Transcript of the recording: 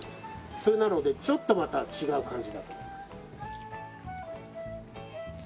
それなのでちょっとまた違う感じだと思います。